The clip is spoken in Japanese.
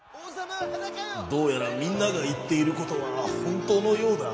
「どうやらみんながいっていることはほんとうのようだ。